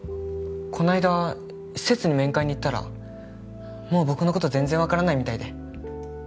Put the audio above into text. この間施設に面会に行ったらもう僕の事全然わからないみたいで。